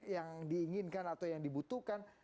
yang diinginkan atau yang dibutuhkan